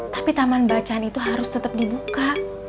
tapi taman bacaan itu harus tetap dibuka